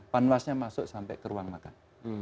panwasnya masuk sampai ke ruang makan